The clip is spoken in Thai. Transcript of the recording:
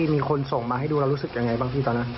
มีคนส่งมาให้ดูเรารู้สึกยังไงบ้างพี่ตอนนั้น